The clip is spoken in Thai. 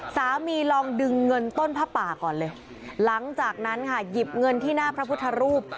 ลองดึงเงินต้นผ้าป่าก่อนเลยหลังจากนั้นค่ะหยิบเงินที่หน้าพระพุทธรูป